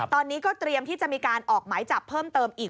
ตอนนี้ก็เตรียมที่จะมีการออกหมายจับเพิ่มเติมอีก